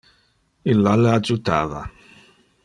Illa le adjutava.